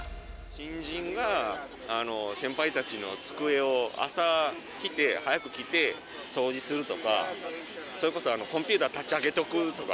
新人が先輩たちの机を、朝来て、早く来て、掃除するとか、それこそコンピューター立ち上げとくとか。